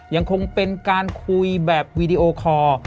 ยังคงเป็นการคุยแบบวีดีโอคอร์